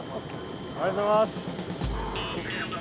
ありがとうございます。